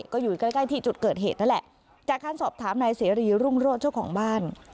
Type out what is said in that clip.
ก็อยู่ใกล้ใกล้ที่จุดเกิดเหตุนั่นแหละจากการสอบถามนายเสรีรุ่งโรธเจ้าของบ้าน